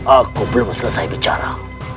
aku belum selesai bicara